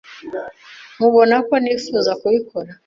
Ntubona ko nifuza kubikora?